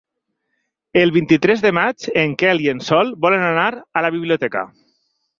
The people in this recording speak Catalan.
El vint-i-tres de maig en Quel i en Sol volen anar a la biblioteca.